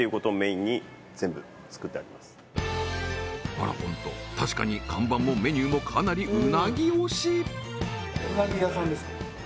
あらホント確かに看板もメニューもかなり鰻推し